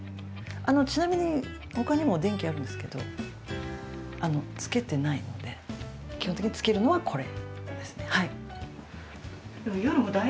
ちなみに他にも電気あるんですけどつけていないので基本的につけるのは、これ。